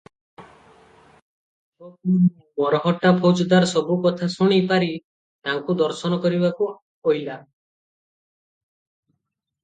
ନାଗପୁର ମରହଟ୍ଟା ଫୌଜଦାର ସବୁ କଥା ଶୁଣି ପାରି ତାଙ୍କୁ ଦର୍ଶନ କରିବାକୁ ଅଇଲା ।